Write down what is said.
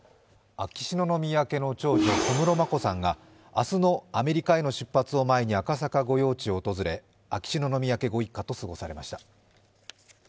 秋篠宮家の長女、小室眞子さんが明日のアメリカへの出発を前に赤坂御用地を訪れ秋篠宮家ご一家と過ごされました。